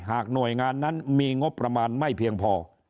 หน่วยงานนั้นมีงบประมาณไม่เพียงพอ